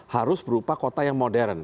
harus berupa kota yang modern